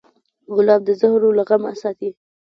ګلاب د زهرو له غمه ساتي.